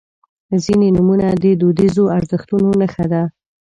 • ځینې نومونه د دودیزو ارزښتونو نښه ده.